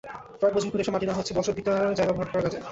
Truck বোঝাই করে এসব মাটি নেওয়া হচ্ছে বসতভিটার জায়গা ভরাট করার কাজে।